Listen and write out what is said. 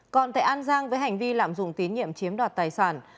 còn tại an giang với hành vi lạm dụng tín nhiệm chiếm đoạt tài sản